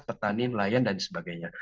petani pelayanan dan sebagainya